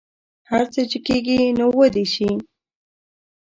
هر څه چې کیږي نو ودې شي